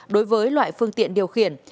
đối với loại phương tiện điều khiển